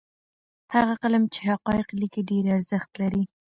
هغه قلم چې حقایق لیکي ډېر ارزښت لري.